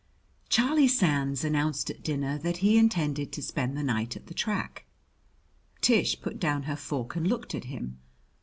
V Charlie Sands announced at dinner that he intended to spend the night at the track. Tish put down her fork and looked at him.